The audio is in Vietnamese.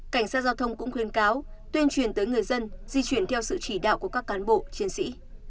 cảnh sát giao thông cũng khuyên cáo tuyên truyền tới người dân di chuyển theo sự chỉ đạo của các cán bộ chiến sĩ